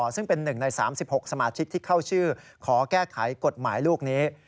ซึ่งเป็น๑ใน๓๖สมาชิกที่เข้าชื่อขอแก้ไขกฎหมายลูกนี้